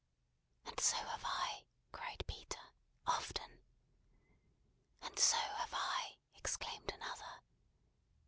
"And so have I," cried Peter. "Often." "And so have I," exclaimed another.